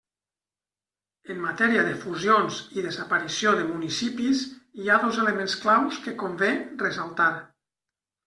En matèria de fusions i desaparició de municipis hi ha dos elements clau que convé ressaltar.